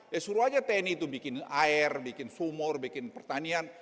ya suruh aja tni itu bikin air bikin fumor bikin pertanian